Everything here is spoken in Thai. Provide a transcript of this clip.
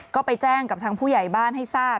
ก็ไปแจ้งกับทางผู้ใหญ่บ้านให้ทราบ